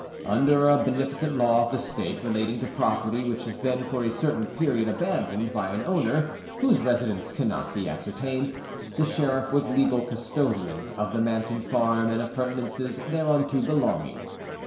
Under a beneficent law of the State relating to property which has been for a certain period abandoned by an owner whose residence cannot be ascertained, the sheriff was legal custodian of the Manton farm and appurtenances thereunto belonging.